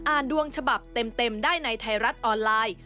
อ่านดวงฉบับเต็มได้ในไทรัศน์ออนไลน์